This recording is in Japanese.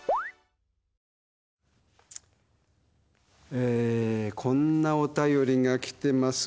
えーこんなお便りが来てます。